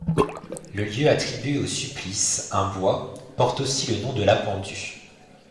Le lieu attribué au supplice, un bois, porte aussi le nom de La Pendue.